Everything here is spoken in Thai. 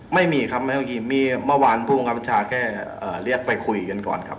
ไม่มีครับไม่มีมีเมื่อวานผู้บังคับบัญชาแค่เรียกไปคุยกันก่อนครับ